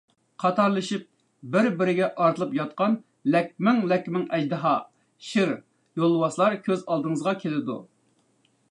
قاتارلىشىپ بىر-بىرگە ئارتىلىپ ياتقان لەكمىڭ-لەكمىڭ ئەجدىھا، شىر، يولۋاسلار كۆز ئالدىڭىزغا كېلىدۇ.